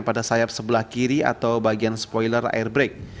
pada sayap sebelah kiri atau bagian spoiler air brake